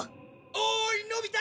おいのび太！